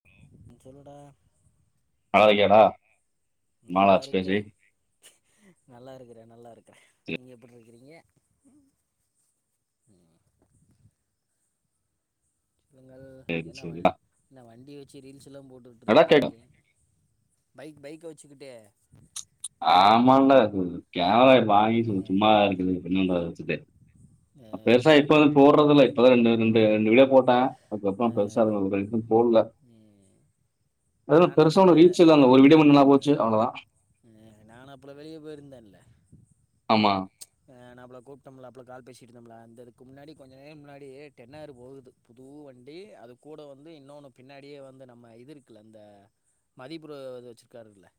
[unintelligible] [unintelligible] ரொம்ப நல்லா நாளாச்சு பேசி இருக்கறேன் நல்லா இருக்கறேன் நல்லா இருக்கன் றேன் நீங்கள் எப்படி இருக்கிறீங்க சொல்லுங்கள் சரி என்ன சரி என்ன வண்டி வச்சு ரீல்ஸ் எல்லாம் போட்டுட்டு நல்லா இருக்கறீங்க கேக்கும் பைக் பைக் வச்சுக்கிட்டு [inaudible] ஆமால கேமரா வாங்கி அஹ் சும்ம இருக்குது என்னன்ற வச்சு அஹ் பெருசா இப்ப வந்து போடுறதுல இப்பதான் ரெண்டு ரெண்டு இரண்டு வீடியோ போட்டேன் அதுக்கப்புறம் பெருசா [unintelligible] இதுவரைக்கு போடல உம் அத நான் அந்த பெருசான்ன ரீச்சு இல்ல ஒரு வீடியோ பண்ணன்னா போச்சு அவ்வளவுதா நானு அப்பள வெளிய போயிருந்தல்ல ஆமா ஆ நம்பல கூப்டோம்ல அப்பல கால் பேசி இருந்தோம்ல அந்த இதுக்கு முன்னாடி கொஞ்ச நேரோ முன்னாடியே டென்னாறு போகுது புது வண்டி அது குட வந்து இன்னொன்னு பின்னாடியே வந்து நம்ம இது இருக்குல இந்த மதிப்ரோ இது வச்சிருக்காருல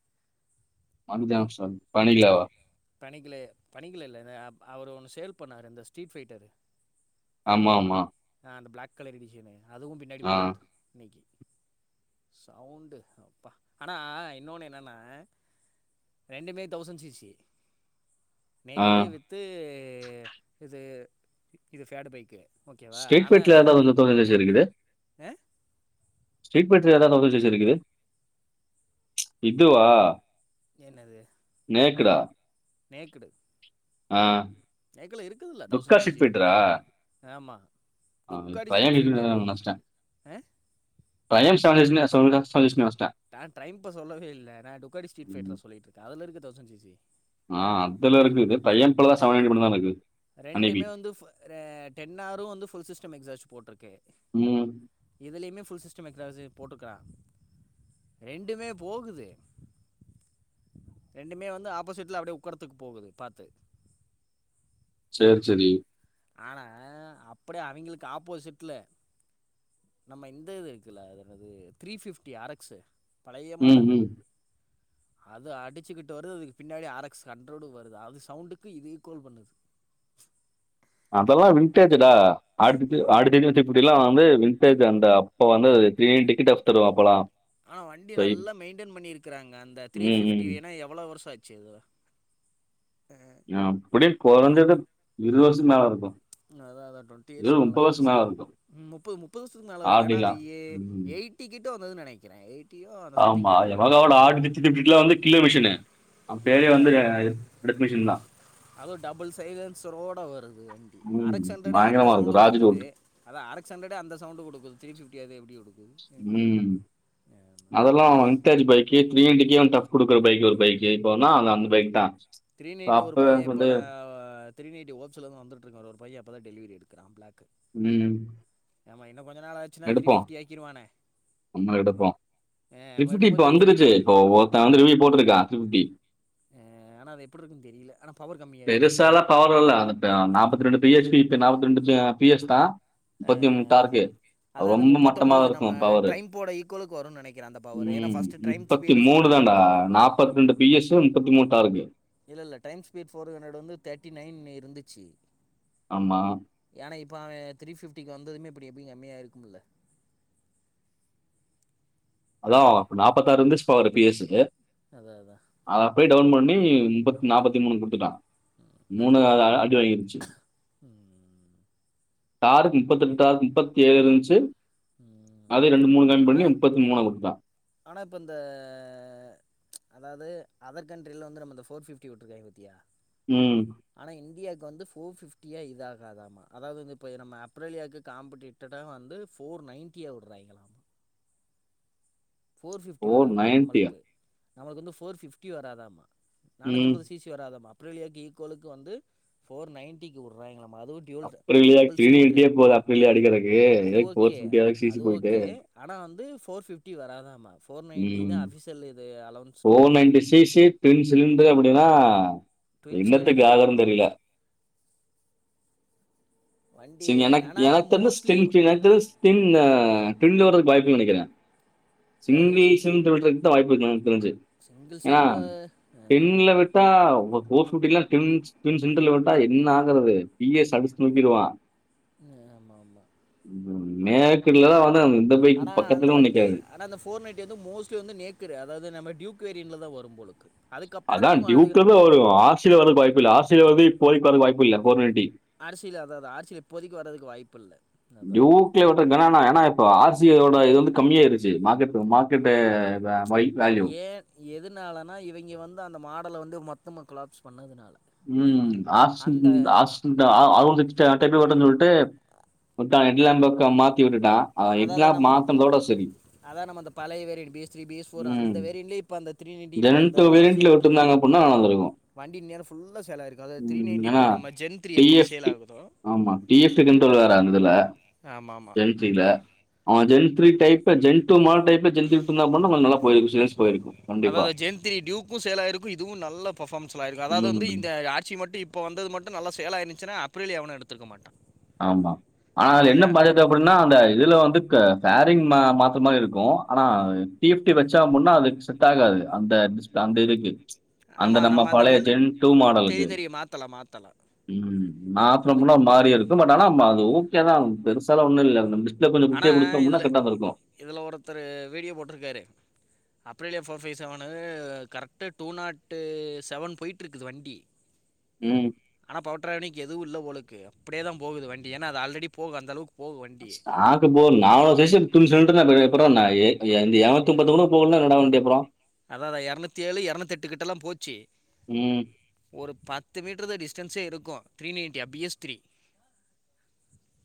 [unintelligible] பணிக்கலு பணிக்கலல்ல நே ஆப் அவர் ஒன்னு சேல் பண்ணாரு இந்த ஸ்ட்ரீட் ஃபைட்டரு ஆமா ஆமா ஆந்த ப்ளாக் கலர் இடிக்கெனு அதுவு பின்னாடி ஆ போகுத்து இன்னிக்கி சவ்ண்டு அப்பா ஆனா இன்னொன்னு என்னன்னா ரெண்டுமே தவ்சன் சிசி ஆ நேக்குடே வித்து ஆ இது இ இது ஃபேடு பைக்கு ஓகேவா ஸ்டேட்மெட்ல அதால [unintelligible] இருக்குதே ஆ ஸ்டேட்மென்ட்ல எதாவது [unintelligible] இருக்குது இதுவா என்னது நேக்குடா நேக்குடு ஆ நெக்கல இருக்குதுல்ல துக்கா தௌசண் ஸ்ட்ரீட் சிசி அது ஃபைட்டரா ஆமா தொக்காடி சீட் ட்ரையாங்கிள் பைட்டரு நினைச்சிட்டேன் ஆஹ் [unintelligible] நான் டைம்ப்ப சொல்லவே இல்ல நான் டுக்கடி ஸ்ட்ரீட் ம். பபைட் சொல்லிட்டு இருக்கேன் அதுல இருக்கு தௌசண்ட் சிசி ஆ அதுல ரெ இருக்குது. ட்ரையம்ஃப்ல தான் மட்டும் தான் இருக்குது. அன்னைக்கு. ரெண்டுமே வந்து ஃபூ டென் ஆரு வந்து புல் சிஸ்டம் மேக் ஜார்ஜ் போட்ருக்கே ம் இதுலேயுமே ஃபுல் சிஸ்டம் [unintelligible] போட்டு இர்காங்க ரெண்டுமே போகுது ரெண்டுமே வந்து ஆப்போசிட்டில அப்டியே உக்கடுதுக்கு போகுது பாத்து சேர் சரி ஆனா அப்படியே அவிங்களுக்கு ஆப்போசிட்ல நம்ம இந்த இது இருக்குல்ல அது என்னது த்ரீ பிப்டி அரக்ஸ் பழைய ம், மாடல் ம். அது அடிச்சுக்கிட்டு வரு அதுக்கு பின்னாடி ஆர எக்ஸ் ஹன்றோடு வருது அது சவுண்டுக்கு இது ஈக்குவல் பண்ணுது அதெல்லா விண்டேஜ் டா ஆடு [unintelligible] இப்டிலா வந்து விண்டேஜ் அந்த அப்போ வந்து [unintelligible] டிக்கெட் அ தருவ அப்பலாம் ஆனா வண்டி சோ இப் நல்ல மெயின்டேன் பண்ணி இருக்காங்க அந்த த்ரீ ம், ஃபிப்டி ம். எனா எவ்ளோ வருஷம் ஆச்சு செரி தோழா ஆ அப்டி கொழந்தைல இருவது வருசத்துமேல இருக்கு அதா அதா டுவென்டி இயர்ஸ்கு மேல ஆயிருச்சு இருக்கும். முப்பது முப்பது வருசத்துக்கு மேல இருக்கும் ஏனா ஆர்டிலாம். எ ம். எயிட்டி கிட் [unintelligible] வந்தது நெனைக்கிறேன் எயிட் ஆமா எ [unintelligible] வந்து கிலோ மிஷின்னு அத அத தான். அதோரு டபள் சைலன்சரோட வருது வண்டி ம். அரக்சண்டடே அந்த பயங்கரமா சவுண்ட் இருக்கும். ராஜ் குடுக்குது ரோட். அதே அரக்சண்டடே அந்த சவுண்ட் குடுக்குது திருப்பி [unintelligible] எப்டி உம் அதெல்லா வந்தாஜ் பைக்கீத் விஎன்டுக்கே அவ டஃப் குடுக்குற பைக் ஒரு பைக்கு இப்போனா அது அந்த பைக் தா த்ரீ நைன்ட்டி ஒரு பைய எப்படா த்ரீ நைன்ட்டி ஹோக்ஸ்லந்து வந்துட்டருக்கா அது ஒரு பையா இப்போத டெலிவரி எடுத் கிராம் பிளாக்கு ம் எமைன் எடுப்போ நம்ம எடுப்போ த்ரீ நம்ம பிப்டி இப்ப எடுக்கும்போது ஃபிஃப்டி வந்துருச்சு இப்போ ஒருத்த வந்து ரிவிவ் போட்ருக்கா த்ரீ பிஃப்டி ஆ ஆனா அது எப்டி இருக்குன்னு தெரில ஆனா பெருசாலா பவர் அல்ல அ நாப்பத்தி ரெண்டு பிஎச்பி நாப்பத்தி ரெண்டுமே பி எஸ் தா ஆ முப்பத்தி ஆ முட்டாருக்கு அதா இந்த ரொம்ப மட்டமா தா முப்பத்தொம்போது இருக்கு நம்ம பவரு ட்ரைம்ப்போட ஈக்குவலுக்கு வரும்னு நெனைக்கிறே அந்த பவர் ஏன்னா உம் ஃபஸ்ட்டு ட்ரைம் முப்பத்தி ஸ்பீடு ஃபோர் மூணு தான்டா ஹண்ட்ரடுக்கு நாப்பத்து ரெண்டு பி எஸ் ஸு முப்பத்தி மூன் டால்லுமி இல்ல இல்ல டைம் ஸ்பீட் ஃபோர் ஹண்ட்ரட் வந்து தெர்ட்டி நைன் இருந்துச்சு ஆமா. ஏன்னா இப்ப அவ த்ரீ பிஃப்டிக்கு வந்ததுமே இப்டிம் இது எண்ணெய்யா இருக்குதுல்ல அதா நாப்பத்தாறு இருந்துச்சுப்பா ஒரு பி எஸ் ஸுக்கு அதா அதா டோவ்ன் பண்ணி முப்பத் நாற்பத்தி மூணு குடுத்துட்டா மூணு [unintelligible] அடி வாங்கிருச்சு ம் தார்ரு முப்பத்தெட்டா [unintelligible] முப்பத்தி ஏழு இன்ச்சு ம் அதே ரெண்டு மூணு கம்மி ஆனா பண்ணி முப்பத்தி மூணு ஆ ஆனா இப்ப இந்த அதாவுது அதர் கண்ட்ரில வந்து நம்ம இந்த ஃபோர் ஃபிப்ட்டி விட்ருக்காயிங் பத்தியா ம். ஆனா இந்தியாக் இங்க வந்து ஃபோர் ஃபிஃப்டியா இத ஆாகாதாம்மா அதாவு வந்து இப்போ நம்ம அப்ரேலியாக்கு காம்படிட்டா வந்து ஃபோர் நைன்ட்டியா விடுறாயங்களாம்மா ஃபோர் பிஃப்டி ஓ வராதமா நம்மளுக்கு நம்மக்கு வந்து ஃபோர் பிஃப்டி வராதம் ம். நானுத்தம்பது சீசி வராதமா அப்ரலியாக்கு ஈக்குவலுக்கு வந்து ஃபோர் நைன்டிக்கு விடுறாயிங்லா அப்புற இல்லையா [unintelligible] போகுது அப்போயில்லையா அடுக்கிறதுகு அது [unintelligible] ஃபோர் ஓகே பிஃப்டி சி அது சி போயிட்டு ஓகே ஆனா வந்து ஃபோர் பிஃப்டி வராத் ஆமா உம் ஃபோர் ட்ரெயின் நைன்டி சிசி பின் சிலிண்டர் [unintelligible] அப்டின்னா ட்வின் இன்னத்துக்கு சிலிண்ட்ரு ஆகார தெரியில வண்டி சி எனக் ஆனா எனக்கு தெரிஞ்ச மோஸ்ட்லி ஸ்கின் [unintelligible] ஸ்டின்னு பிரிண்ட் வறதுக்கு வாய்ப்பு நனைக்கிறே இல்ல அது சி சிங்லீஷ்ன்றது [unintelligible] வாயாப்பு ருக்கலான் தெரிஞ்சு சிங்கிள் ஏனா சிலிண்ட்ரு பிண்ல விட்டா [unintelligible] ஃபோர் ஃபிஃப்டிலா பின்ஸ் பின் சென்டர்ல வன்டா என்ன ஆகுறது பி எஸ் அடிச்சு தூக்கிடுவா ம் ஆமா ஆமா நேர்கிடல தா வந் ஆனா அந்த வண்டி ஆனா அந்த ஃபோர் நைன்டி வந்து மோஸ்ட்லி வந்து நேக்குடு அதாவது நம்ம டியூக் க்கு ரீன்ல தா வரும்போல இருக்கு அதா டியூக் [unintelligible] வரு ஆர் சி வரத்துக்கு வாய்ப்பில்ல ஆர்ச் [unintelligible] இப்போதைக்கு வர வாய்ப்பு இல்ல ஃபோரெடி அரசியல்ல அதாவது ஆட்சில இப்போதிக்கு வறதுக்கு வாய்ப்பு இல்ல டூயுக்ல ஓட்றக்கு [unintelligible] ஏன்னா இப்போ ஆஸ் இது யோட இது வந்து கம்மியாயிருச்சு மார்கெட் போனோ மார்கெட்டு இதா ஏ எதுனாலனா இவைங்க வந்து அந்த மாட் ல வந்து மொத்தம கிளாப்ஸ் பண்ணதுனால ம் [unintelligible] அந்த சிஸ்ட ஆட்டபில் [unintelligible] விட்டு ஹேட் லேம்ப் பக்கோ மாத்தி விட்டுட்டா ஆ எல்லா அதாவது நம்ம மாத்துனதோட சரி அதான் நம்ம அந்த பழைய பேரில் B C B S four அந்த வேறிண்லயே இப்ப அந்த த்ரீ நைன்ட்டி இப்போ ஜெனன் அந்த டூ ஆர்சியை மினிட்ல விட்டுருந்து வித்துருந்தாங்க அப்டின்னா வந்துருக்கோ வண்டி நேரம் ஃபுல்லாக சேல் ஆகிருக்கு அதாவது த்ரீ நைன்ட்டி எனா இப்போ நம்ம ஜென் த்ரீ டி எப்படி எஃப் சேல் டி ஆகுதோ ஆமா டிஎஃப் [unintelligible] ன்றது வேற இது ஆமாம் ஆமாம் ஜன்ஸில அவ ஜென் த்ரீ டைப்பு ஜெய் டூ மாடல் டைப்பு ஜென் [unintelligible] நல்லா சேல்ஸ் போயிருக்கு அதா இது ஜென் திரி டியூக்கு சேல் ஆயிருக்கு இதுவு நல்லா பர்ஃபோமன்ஸ் ஆயிருக்கு அதா இது வந்து ம். இந்த ஆர்சி மட்டு இப்ப வந்தது மட்டு நல்லா சேல் ஆயிருந்திச்சினா புரில எவனு எடுத்துற்க்க மாட்டா ஆமா ஆனா அது என்ன பாத்தது அப்டின்னா அந்த இதுல வந்து க ஃபேரிங் மா மாத்துர மாரி இருக்கு ஆனா டி எஃப் டி வச்சா முன்ன அதுக்கு செட் ஆகாது அந்த டிஸ்பிளே அந்த இதுக்கு அந்த நம்ம பழைய ஜென் டூ மாடலுக்கு தெரியும் தெரியும் மாற்றலாம் மாற்றலாம் ம் நாள் [unintelligible] அது முன்னா மாறியிருக் குடுக்க மாடானா [unintelligible] அது ஓகே தா பெருசால ஒண்ணு இல்ல அது நம்பி ஆனா இதுல இதுல ஒருத்தர் வீடியோ போட்டிருக்காரு அ பிரிலியா four five seven correct two நாட்டு செவன் போயிட்டுருக்குது வண்டி ம். ஆனா பவட்ராணிக்கு எதுவும் இல்ல போல கே அப்படியே தான் போகுது வண்டி ஏன்னா அது ஆல்ரெடி போக அந்த அளவுக்கு போ வண்டி [unintelligible] அதா அதா எரநூத்தி ஏழு எரநூத்தி எட்டுக்கிட்டல்லாம் போச்சு ம். ஒரு பத்து மீட்டரு தான் டிஸ்டன்ஸே இருக்கும் three ninety B S three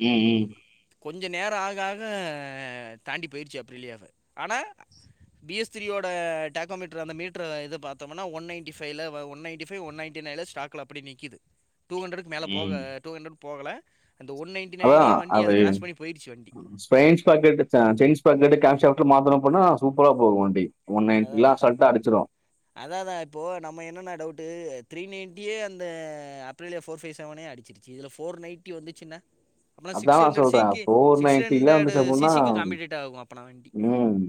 ம் ம் கொஞ்ச நேரோ ஆக ஆக தாண்டி போயிடுச்சு அப்பில்லயே ஆனா பி எஸ் திரியோட டேக்கோமீட்டர் அந்த மீட்டர் இது பார்த்தோம்னா ஒன் நய்ன்டி ஃபைல one ninety five one ninety nine ல ஸ்டாக்ல அப்டியே நிக்குது டூ ஹுன்ட்ரட்க்கு மேல ம் போக டூ ஹுன்ட்ரட் போகல அதா அது போயிடுச்சு வண்டி ஸ்பெய்ன்ச்சு பாக்கெட் சைனீஸ் பாக்கெட்டு கேப்சாப்ட்டர் மாத்தணும்போனா சூப்பரா போகு வண்டி ஒன் அ அதா நைன்ட்டிலா அசால்ட்டா அடிச்சிரு அதாதா இப்போ நம்ம என்னன்னா டவுட்டு த்ரீ நைன் யே அந்த அப்ரிலே ஃபோர் ஃபை செவெனே அடிச்ருச்சு இதுல ஃபோர் நைட்டி வந்துச்சுனா அதா நா சொல்றேன் ஃபோர் நைன்டில்லா ஹண்ட்ரடு வந்துச்சு அப்டின்னா சிசிக்கு காம்படிட் ஆகும் அப்போனா வண்டி ம்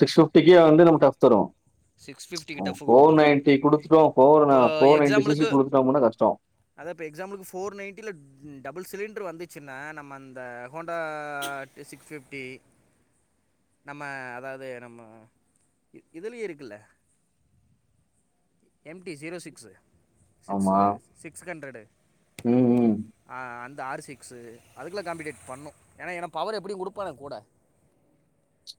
சிக்ஸ் ஃபிஃப்டிகே வந்து நமக்கு [unintelligible] தரு சிக்ஸ் ஃபிஃடிக்கு டஃப் ஃபோர் குடுக்கு அது நைன்ட்டி குடுத்துட்டோ ஃபோர் ந இப்போ ஃபோர் நைன்ட்டி சி சி எக்ஸாம்பிள்க்கு குடுத்துட்டோ அப்புன்னா கஷ்டோ அதா இப்ப எக்ஸாம்பிள்க்கு ஃபோர் நைன்டில டபுள் சிலிண்டர் வந்து ச்சுனா நம்ம அந்த ஹோண்டா சிக்ஸ் ஃபிஃப்டி நம்ம அதாவது நம்ம இதுலயே இருக்க ல்ல எம்டி ஸீரோ சிக்ஸ் சிக்ஸ் ஆமா சிக்ஸ் ஹண்ட்ரடு ம் ம் அ அன் தா ஆர் சிக்ஸ் அதுக்கெல்லா காம்பிடேட் பண்ணு ஏனா ஏனா பவர் எப்டியு குடுப்பானுக கூட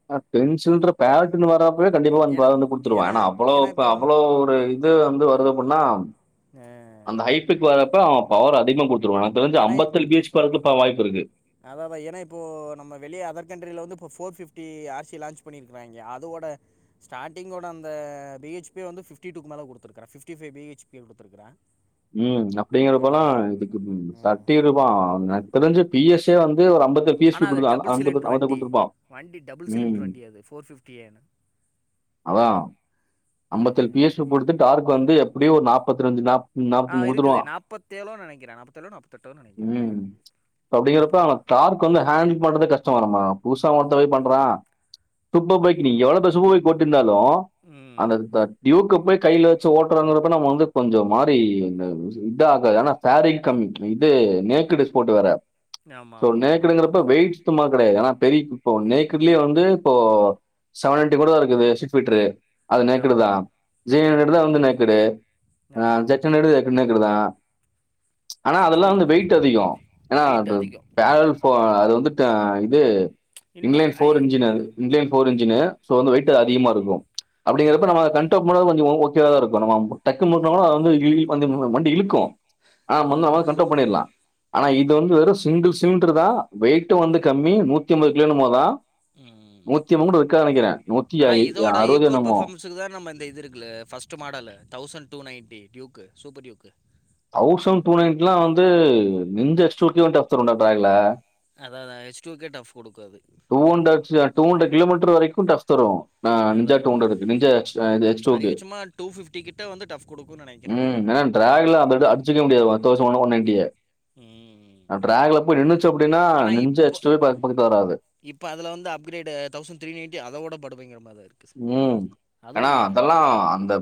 [unintelligible] கண்டிப்பா வந்து ஏன்னா பதினெட்டு குடுத்துருவான் ஏன்னா ஏனா அவ்ளோ ஏன்னா அவ்ளோ இப்போது ஒரு இது வந்து வரு ஒண்ணாம் அந்த ஹைப்பிக்கு வர பவர் அதிகமா கொடுத்த தெ அஐம்பத்த பி [unintelligible] இப்ப வாய்ப்பு இருக்கு அதாம்பா ஏன்ன இப்போ நம்ப வெளிய அதர் கண்ட்ரியில வந்து இப்போ four fifty R C launch பண்ணிருக்கறாங்க அதோட ஸ்டார்டிங் ஓட அந்த பி ஹெச்பி வந்து பிஃப்டி டூக்கு மேல கொடுத்துக்கறாங்க ஃபிப்டி பி ஹெச்பி வந்து பிஃப்டி உம் அப்படிங்கறப்பல்லாம் இதுக்கு [unintelligible] எனக்கு தெரிஞ்சு பிஎஸ் ஏ வந்து பயே ஒரு அம்பது பீஸ் ஆனால் அது கொடு அவன்ட் டபுள் சிலிண்ட்ரு அவன்ட்ட வண்டி குடுத்துருப்பா வண்டி டபுள் சிலிண்ட்ரு ம் வண்டி அது ஃபோர் ஃபிஃப்டிஏன்னு அதான் அம்பது பிஎெஸ்கொடுத்துட்டு ஆர்க் வந்து அது எப்படியோ நாற்பத்திரஞ்சு நாற்ப் ஆ நாப்த்து மூ குடுத்துடுவா இருக்குது நாற்பத்தேழோ நினைக்கிறேன் நாற்பத்தேழோ நாற்பத்தெட்டோ நினைக்கிறேன் உம் ஒரு அப்டிங்கறப்ப போ அவெ தார்க் வந்த ஹேண்ட் மாட்றதே கஷ்டோ ஆ ரம்மா புதுசா ஒர்த்த ட்ரை பண்றா சூப்ப பைக் நீ எவ்வளோ பேசுவ போட்டு நே ஹலோ ம் டியூக்க போய் கைல வச்சு ஓட்டுறாங்கப்ப நம்ம வந்து கொஞ்சம் மாரி இதா ஆகாது ஆனா [unintelligible] கம்மி இது நேக்குடிஸ் போட்டு வேற சோ ஆமாம் ஆமாம் நேக்குடுங்குறப்ப வெயிட்ஸ் சுத்தமா கிடையாது ஆனா பெரிய இப்போ நேக்கலயே வந்து இப்போ செவன்டி கூட தான் இருக்குது [unintelligible] அது ஆமாம் நேக்குடு தா ஆமாம் ஜெய ஆமாம் எடு ஆமாம் ஆமாம் வந்து நேக்கடு ஆ ஆமாம் ஜக்ஷன் எடு நேக்குடுதா ஆனா அதெல்லா ஸ்ட்ரீட் வந்து வெய்ட் அதிகோ ஏனா வெயிட் அது அதிகம் பேரல் போ அது வந்து ஆ இது இன்னும் இங்கிலாந் ஐ ஃபோர் இன்ஜின் அது [unintelligible] ஃபோர் இன்ஜினு சோ வந்து அ வெய்ட்டு் அதிகமா இருக்கு இத வந்து நம்ம ஆமாம் கண்ட்ட மூலம கொஞ்சோ ஓ ஓகேவா தா இருக்கு நம்ம டக்குனு ஒட்னாதா அது வந்து ஃபீல் பண்ணி வண்டி இழுக்கு ஆ அதான் மந்ன்னுலல அதான் கண்ட்ரோல் பண்ணிடலாம் ஆனா இது வந்து வெறும் சிங்கிள் சிமிண்ட்ரு தான் வெயிடிட்டும் வந்து கம்மி நூத்தி ஐம்பது கிலோ என்னமோதான் ம் நூத்திமூனு கூட இருக்காது நினைக்கிற நூத்தி ஐ அறுவது என்னமோ ஸு [unintelligible] நம்ம இந்த இது இருக்குல ஃபஸ்ட் மாடல்லு தௌசண்ட் டூ போனா எப்டி டியூக்கு சூப்பர் டியுக்கு தௌசன் டூ நைன்க்குல்லா வந்து எந்த எஸ்டுட்லயு தப்ஸூண்டா பேக்ல அத அதா எச் டு கே டஃப் குடுக்கு அது டூ அண்ட டச்ல டூ அண்ரட் கிலோமீட்டர் வரைக்கு ட் ஃப் தரு நான் நிஞ்சா அதான் டூ அதான் அண்றடு நிஞ்சா டியூக் அதிகபட்சமாக டூ ஃபிஃப்டி கிட்ட வந்து டஃப் கொடுக்கும்னு நினைக்கிறேன் ம்ம் அனா [inaudible] பெரிசா அடிக்கவே முடியாது டவுசன் ஒன் நயன்டிய ம் அப்ப ரார்ல போய்ட் து அப்டின்னா நிஞ்சா எச்சுட்டுவே போக் பக்கட்டு வராது இப்ப அதுல வந்து அப்கிரேடு தௌசண்ட் த்ரி நையன்டி அதவுட படு பயங்கரமா இருக் ம் ஏன்னா அதெல்லாம் அந்த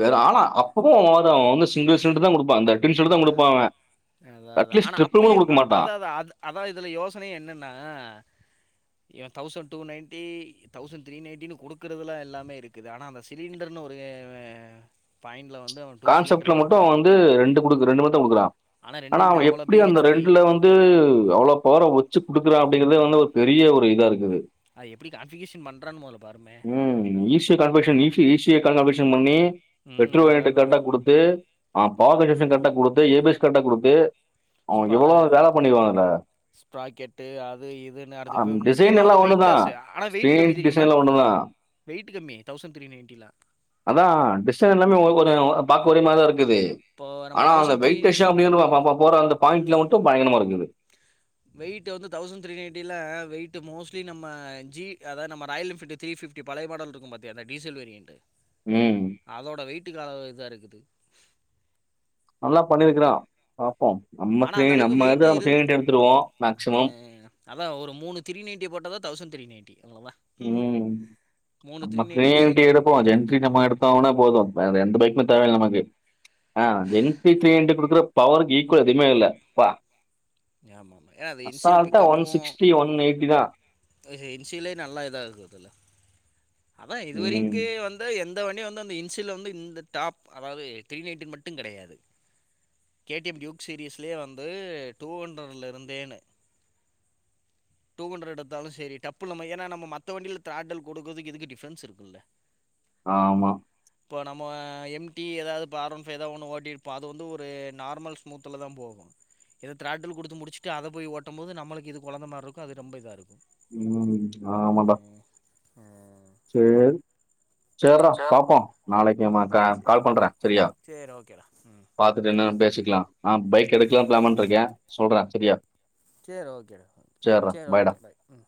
வேறும் ஆனா அப்போ ஓடும் வந்து சிங்கிள் சிலிண்டர் தான் கொடுப்பான் தான் [inaudible] கொடுப்பான் அவெ அதா அதா ஆனா அப்பயு அதா அதா இதுல யோசனயே என்னன்னா thousand two ninety thousand three நைன்ட்டின்னு குடுக்குறதுலா எல்லாமே இருக்குது ஆனா அந்த சிலிண்டர்னு ஒரு பாயிண்ட்ல வந் கான்செப்ட்ல மட்டு அவ வந்து ரெண்டு குடு ரெண்டு மட்டு குடுக்குறா ஆனா ரெண்டுலயுமே அவ அவ்வளோ எப்டி அந்த பிஹெச்பி ரெண்டுல வந்து அவ்வளோ பவரா வச்சு கு குடுக்குறான் அப்டிங்கிறதே வந்து ஒரு பெரிய ஒரு இதா இருக்குது அ எப்டி கான்ஃபிகேஷன் பண்றான்னு மொல பருமே கான்ஃபிஷன் இ ஈஸியா கான்ஃபிஷன் பண்ணி [unintelligible] ம் அதான் அதான் கரெட்ட குடுத்து அ.. [unintelligible] அது கரெட்ட குடுத்து ஏபிஸ் கரெட்ட குடுத்து அவன் ஸ்பர எவ்வளோ வேலை பண்ணிருவான் அதுல. ஸ்ப்ராகேட்டு அது இதுன்னு அடுத்து டிசைன் முக்கியமா எல்லாம் வந்து வெயிட் ஒண்ணுதான். லாஸ் ஆனா வெயிட் ஸ்க்ரீன் கம்மி டிசைன் தெரியுமா எல்லாம் ஒண்ணுதான். வெயிட் கம்மி தௌஸன்ட்த்ரி நைட்டிலா பாக்கஒரே தா இருக். குது ஆனா அந்த தௌசண்ட் த்ரீ வெயிட்டேஷ் அப்டிங்க பா பா போற அந்த பாயிண்ட்ல மட்டும் பயங்கரமா இருக்குது வெயிட் வந்து தவுசண்த்ரி நைன்ட்டில வெயிட் மோஸ்லி நம ஜி அதா நம ராயல் என் ஃபில்டு த்ரிபிஃப்டி பலய மாடல் இருக்கும் பாத்தியா அந்த டசல் வேரியன்ட். ம். அதோட வெயிட்டுக்கு அளவு இதா இருக்குது நல்லா பண்ணிர்க்கிறா பாப்போம் நம்ம ஆனால் அந்த [unintelligible] அளவுக்கு நம்ம அத வெயிட்டு அங்க தேடி எடுத்துடுவோம் மேக்சிமம் அதா.. ஒரு மூணு த்ரிநைன்ட்டி போடதான் தவுசண்த்ரி நைன்ட்டி அவ்வளோதான் ம். ஹம் மூணு த்ரீ நம்ம நைன்ட்டிக்கு இது த்ரின்ட்டி எடுப்போம் அத என்ட்ரி நம்ம எடுத்த உன போதும் எந்த பை தேவையில நமக்கு அ.. என்டி த்ரிநைன்ட்டி குடுக்குற பவருக்கு ஈக்குவல எதுமே இல்ல பா ஆமாமா ஏன அத இன்சில் பிக்கப்பும் தான். இன்சிலே நல்லா இதா மொதல்ல அதா ம். இதுவரிக்கு வந்த எந்த இந்த வண்டி வந்து அந்த இன்சில்ல வந்து இந்த டாப் அதாது த்ரீ நைன்டின் மட்டுன் கிடையாது கேடிஎம் டியுக் சீரிீஸ்லயே வந்து டூ ஹண்ட்ரட்லரிந்தேனு டூ ஹண்ட்ரடெடுத்தாலும் செரி டப்பு நம ஏன்னா நம்ம மத்த வண்டில திராடல் கொடுக்கறதுக்கு இதுக்கு டிஃப்ரன்ஸ் இருக்குல்ல ஆமா இப்போ நம்ம எம்டி ஏதாவது பா ஆர் ஓன் ஃப தா ஏதாது ஒன்னு ஓட்டிருப்போ அது வந்து ஒரு நார்மல் ஸ்மூத்துல தா போகும் இத திராட்டல் குடுத்து முடிச்சுட்டு அத போய் ஓட்டம்பேது நமளுக்கு இது கொழந்த மாரிருக்கோ அது ரொம்ப இதாருக்கோ ம்.. ஆமா ட.. ம்.. செரி.. சேரா பாப்போம் நாளைக்கு நம ம் கா.. சே கால் பண்றே செரியா சரி ஓகேடா ம் பாத்துட்டு என்னனு ஓகே பேசிக்கலாம் அ.. பைக் எடுக்கலா பிளான் பன்ட்ருக்கேன் சொல்றேன் செரியா. செரி ஓகே டா.. செரி பாய்டா. ஓகே பாய் ம்..